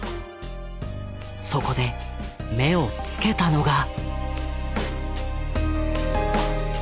そこで目を付けたのが。